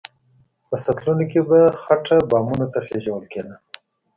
په سطلونو کې به خټه بامونو ته خېژول کېده.